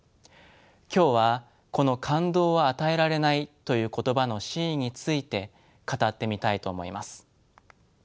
今日はこの「感動は与えられない」という言葉の真意について語ってみたいと思います。